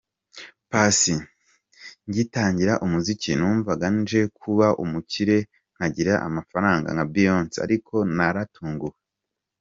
Paccy: Ngitangira umuziki numvaga nje kuba umukire nkagira amafaranga nka Beyonce, ariko naratunguwe.